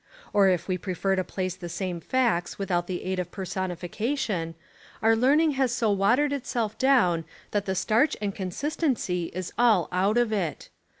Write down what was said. Or if we prefer to place the same facts without the aid of per sonification, our learning has so watered itself down that the starch and consistency is all out of it.